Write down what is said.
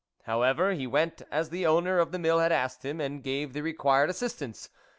" However, he went as the owner of the mill had asked him, and gave the required assistance.